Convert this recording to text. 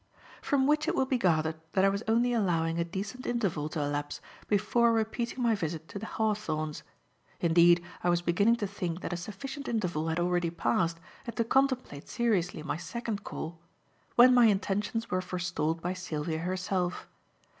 From which it will be gathered that I was only allowing a decent interval to elapse before repeating my visit to "The Hawthorns"; indeed, I was beginning to think that a sufficient interval had already passed and to contemplate seriously my second call, when my intentions were forestalled by Sylvia herself.